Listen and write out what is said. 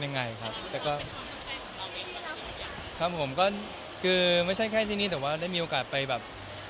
ยังไงครับแต่ก็ครับผมก็คือไม่ใช่แค่ที่นี่แต่ว่าได้มีโอกาสไปแบบ